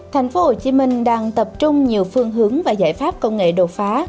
thành phố hồ chí minh đang tập trung nhiều phương hướng và giải pháp công nghệ đột phá